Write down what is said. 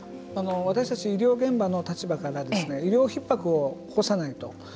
私たち医療現場の立場から医療ひっ迫を起こさないと。